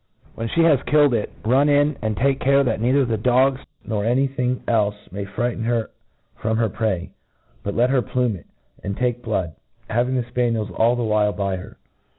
When flie has killed it, run in, and take care that neither the dogs, nor any thing p^c, may frighten her from her prey j but let her plume it, and take blood, having the fpanicls all the while by her.